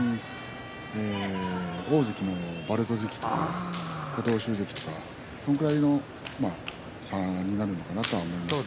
大関の把瑠都関、琴欧洲関とかそのぐらいの差になるのかなと思いますね。